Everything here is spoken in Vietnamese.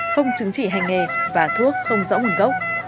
không chứng chỉ hành nghề và thuốc không rõ nguồn gốc